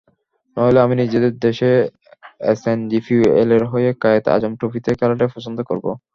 নইলে আমি নিজের দেশে এসএনজিপিএলের হয়ে কায়েদে আজম ট্রফিতে খেলাটাই পছন্দ করব।